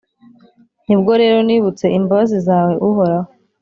Ni bwo rero nibutse imbabazi zawe, Uhoraho,